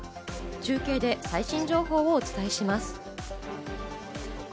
中継で最新情報をお伝えします。